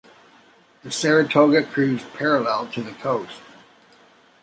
The "Saratoga" cruised parallel to the coast.